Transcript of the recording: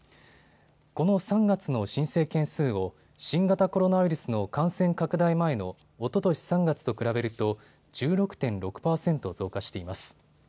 この３月の申請件数を新型コロナウイルスの感染拡大前のおととし３月と比べると１６．６％増加しています。